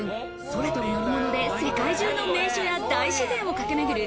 空飛ぶ乗り物で世界中の名所や大自然を駆け巡る